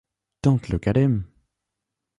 Don’t look at him.